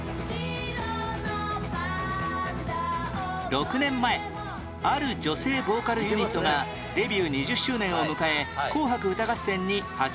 ６年前ある女性ボーカルユニットがデビュー２０周年を迎え『紅白歌合戦』に初出場